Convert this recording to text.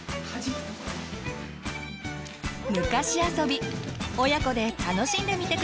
「昔遊び」親子で楽しんでみて下さいね！